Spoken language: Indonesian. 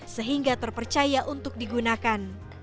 sehingga terpercaya untuk digunakan